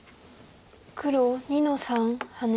黒２の三ハネ。